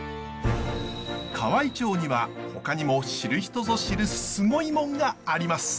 河合町にはほかにも知る人ぞ知るスゴイもんがあります。